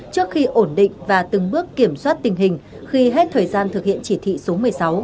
trước khi ổn định và từng bước kiểm soát tình hình khi hết thời gian thực hiện chỉ thị số một mươi sáu